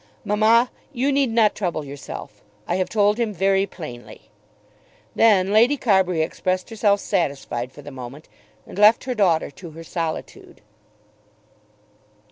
"Mamma, you need not trouble yourself. I have told him very plainly." Then Lady Carbury expressed herself satisfied for the moment, and left her daughter to her solitude.